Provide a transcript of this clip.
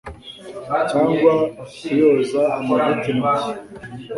cyangwa kuyoza amavuta intoki